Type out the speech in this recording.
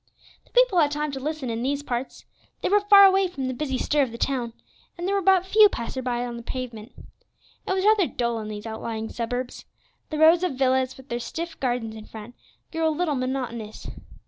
The people had time to listen in these parts; they were far away from the busy stir of the town, and there were but few passers by on the pavement. It was rather dull in these outlying suburbs. The rows of villas, with their stiff gardens in front, grew a little monotonous.